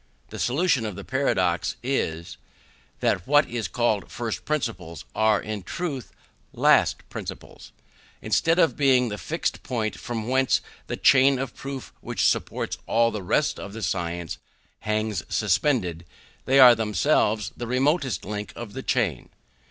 The solution of the paradox is, that what are called first principles, are, in truth, last principles. Instead of being the fixed point from whence the chain of proof which supports all the rest of the science hangs suspended, they are themselves the remotest link of the chain.